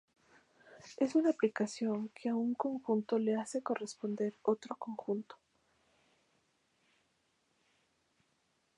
Es una aplicación que a un conjunto le hace corresponder otro conjunto.